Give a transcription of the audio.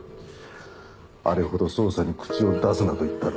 あれほど捜査に口を出すなと言ったろ。